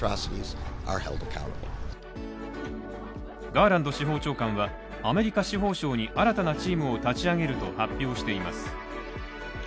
ガーランド司法長官はアメリカ司法省に新たなチームを立ち上げると発表しています。